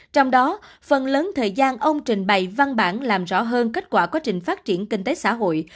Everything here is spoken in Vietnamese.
trong đó phần lớn thời gian ông trình bày văn bản làm rõ hơn kết quả quá trình phát triển kinh tế xã hội